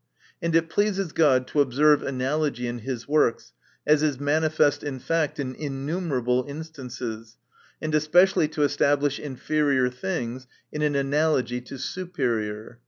And it pleases God to observe analogy in his works, as is manifest in fact in innumer THE NATURE OF VIRTUE. 273 able instances ; and especially to establish inferior things in an analogy to su perior.